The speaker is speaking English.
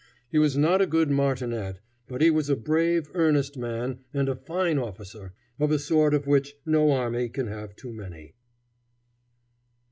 He was not a good martinet, but he was a brave, earnest man and a fine officer, of a sort of which no army can have too many.